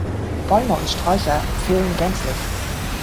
Bäume und Sträucher fehlen gänzlich.